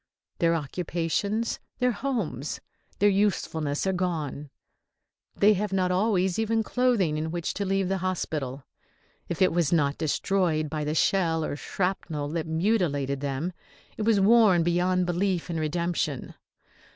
Their occupations, their homes, their usefulness are gone. They have not always even clothing in which to leave the hospital. If it was not destroyed by the shell or shrapnel that mutilated them it was worn beyond belief and redemption.